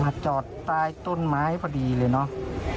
จอดใต้ต้นไม้พอดีเลยเนาะ